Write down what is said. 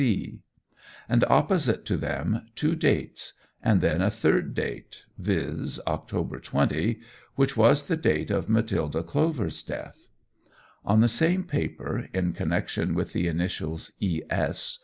C.," and opposite to them two dates, and then a third date, viz. October 20, which was the date of Matilda Clover's death. On the same paper, in connection with the initials "E. S.